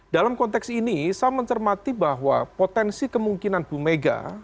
dalam konteks ini saya mencermati bahwa potensi kemungkinan bumega